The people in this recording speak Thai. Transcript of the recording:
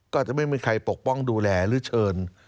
ก็อาจจะไม่มีใครปกป้องดูแลหรือเชิญ